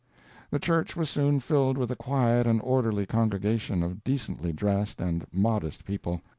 The church was soon filled with a quiet and orderly congregation of decently dressed and modest people.